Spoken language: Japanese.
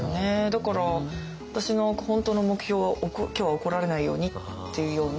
だから私の本当の目標は「今日は怒られないように」っていうような。